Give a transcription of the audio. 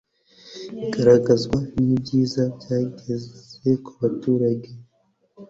bigaragazwa n'ibyiza byageze ku baturage